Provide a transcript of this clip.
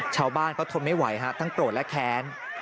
ชาวบ้านเขาทนไม่ไหวฮะทั้งโกรธและแค้น